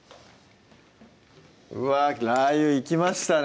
うわっラー油いきましたね